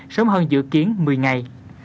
sớm hơn dự kiến một mươi ngày